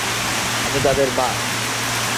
আমি তাদের মা!